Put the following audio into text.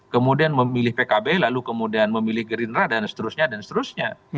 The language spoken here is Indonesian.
kemudian memilih pkb lalu kemudian memilih gerindra dan seterusnya dan seterusnya